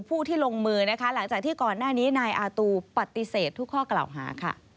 ผู้ที่ลงมือนะคะหลังจากที่ก่อนหน้านี้นายอาตูปฏิเสธทุกข้อกล่าวหาค่ะ